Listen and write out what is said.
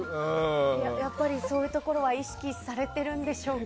やっぱり、そういうところは意識されているんでしょうか？